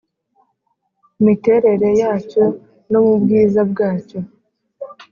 miterere yacyo no mu bwiza bwacyo: